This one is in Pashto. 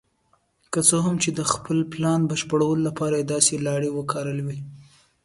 که څه هم چې د خپل پلان د بشپړولو لپاره یې داسې لارې وکارولې.